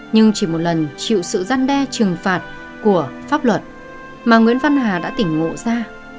nhưng chỉ một lần chịu sự gian đe trừng phạt của pháp luật mà nguyễn văn hà đã tỉnh ngộ ra